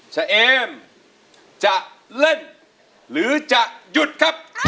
เอมจะเล่นหรือจะหยุดครับ